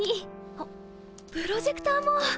あっプロジェクターも！